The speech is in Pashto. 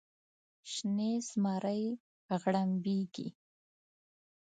شنې زمرۍ غړمبیږې